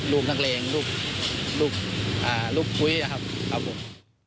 ลูกนักเล็งลูกกุ๊ยคิดกัน